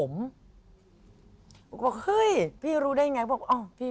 บอกเฮ้ยพี่รู้ได้ยังไง